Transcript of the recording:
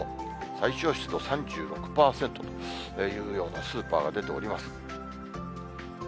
最小湿度３６％というようなスーパーが出ております。